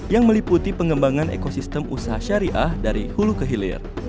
yang meliputi pengembangan ekosistem usaha syariah dari hulu ke hilir